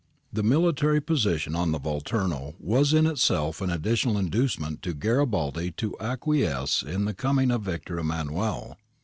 The military position on the Volturno was in itself an additional inducement to Garibaldi to acquiesce in the coming of Victor Emmanuel.